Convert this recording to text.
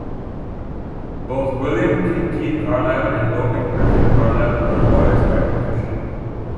Both William Kinkead Carlisle and Logan Griffin Carlisle were lawyers by profession.